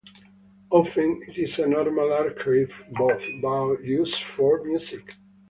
Often, it is a normal archery bow used for music.